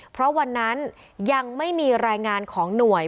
เพราะวันนั้นยังไม่มีรายงานของหน่วย